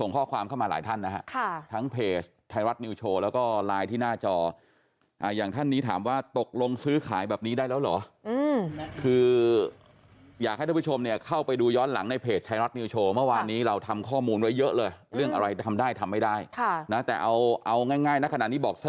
ก่อนเพิงสันทนาการมันก็คงแล้วแต่หมุนคน